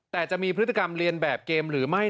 แต่จะมีพฤติกรรมเรียนแบบเกมหรือไม่